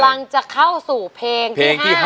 กำลังจะเข้าสู่เพลงที่๕